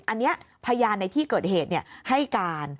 อันนี้พยานในที่เกิดเหตุให้การ